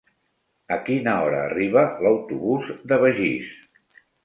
A quina hora arriba l'autobús de Begís?